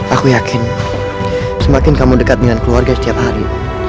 aku yakin semakin kamu dekat dengan keluarga setiap hari